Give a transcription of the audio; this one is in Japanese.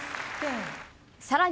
さらに。